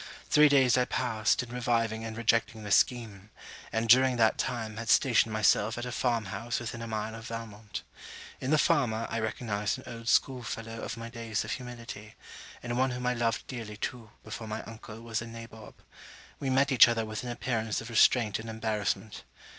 Three days I passed in reviving and rejecting the scheme; and during that time, had stationed myself at a farm house within a mile of Valmont. In the farmer, I recognized an old school fellow of my day's of humility; and one whom I loved dearly too, before my uncle was a nabob. We met each other with an appearance of restraint and embarrassment.